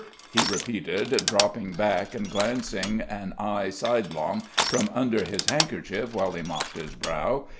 he repeated, dropping back and glancing an eye sidelong from under his handkerchief while he mopped his brow.